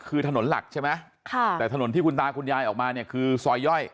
คือถนนหลักใช่ไหมค่ะแต่ถนนที่คุณตาคุณยายออกมาเนี่ยคือซอยย่อย